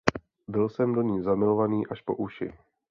Byl jsem do ní zamilovaný až po uši.